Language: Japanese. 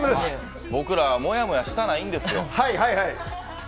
僕ら、もやもやしたないんですよ。